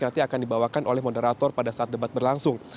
nanti akan dibawakan oleh moderator pada saat debat berlangsung